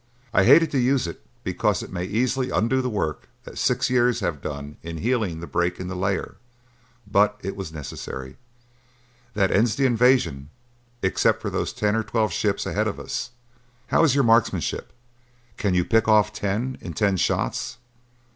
I hated to use it because it may easily undo the work that six years have done in healing the break in the layer, but it was necessary. That ends the invasion, except for those ten or twelve ships ahead of us. How is your marksmanship? Can you pick off ten in ten shots?"